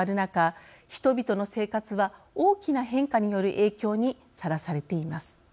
人々の生活は大きな変化による影響にさらされています。